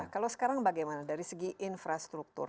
kalau sekarang bagaimana dari segi infrastruktur